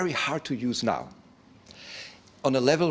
yang sangat sulit untuk digunakan sekarang